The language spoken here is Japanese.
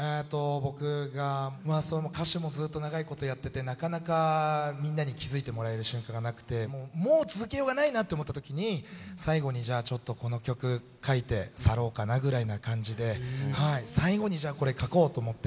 僕がまあそうもう歌手もずっと長いことやっててなかなかみんなに気付いてもらえる瞬間がなくてもう続けようがないなって思った時に最後にじゃあちょっとこの曲書いて去ろうかなぐらいな感じではい最後にじゃあこれ書こうと思って。